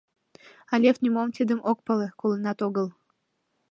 А Лев нимом тидым ок пале, колынат огыл.